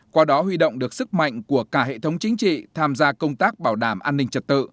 qua đó huy động được sức mạnh của cả hệ thống chính trị tham gia công tác bảo đảm an ninh trật tự